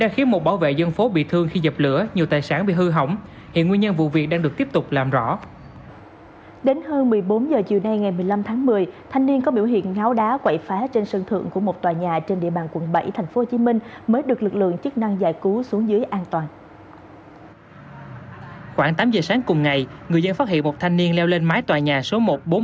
khoảng tám giờ sáng cùng ngày người dân phát hiện một thanh niên leo lên mái tòa nhà số một trăm bốn mươi bảy ba